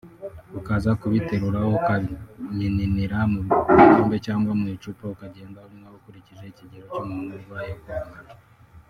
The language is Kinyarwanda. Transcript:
ukaza kubiteruraho ukamininira mu gikombe cyangwa mu icupa ukagenda unywaho ukurikije ikigero cy’umuntu urwaye uko angana